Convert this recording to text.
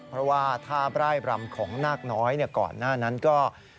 เพราะว่าท่าร่ายรำของนาคน้อยก่อนหน้านั้นก็